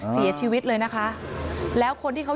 เสียชีวิตเลยนะครับ